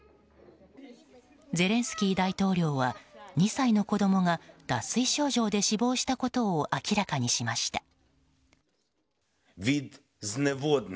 ゼレンスキー大統領は２歳の子供が脱水症状で死亡したことを明らかにしました。